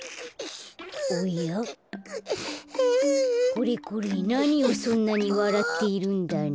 これこれなにをそんなにわらっているんだね？